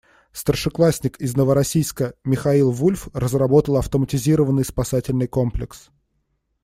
Старшеклассник из Новороссийска Михаил Вульф разработал автоматизированный спасательный комплекс.